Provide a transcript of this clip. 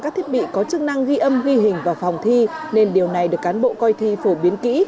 các thiết bị có chức năng ghi âm ghi hình vào phòng thi nên điều này được cán bộ coi thi phổ biến kỹ